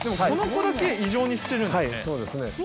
この子だけ異常にしているんですね。